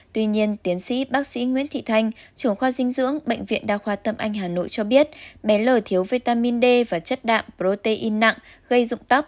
tuy nhiên tiến sĩ bác sĩ nguyễn thị thanh trưởng khoa dinh dưỡng bệnh viện đa khoa tâm anh hà nội cho biết bé lờ thiếu vitamin d và chất đạm protein nặng gây dụng tóc